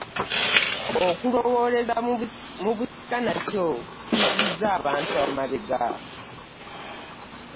okulowooleza mu busika nakyo kizizza abantu emabega.